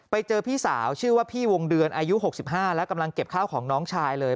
ไปเจอพี่สาวชื่อว่าพี่วงเดือนอายุ๖๕แล้วกำลังเก็บข้าวของน้องชายเลย